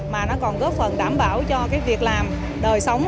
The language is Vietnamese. mà nó còn góp phần đảm bảo cho cái việc làm đời sống